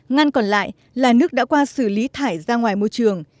ngăn còn lại là nước đã qua xử lý thải ra ngoài môi trường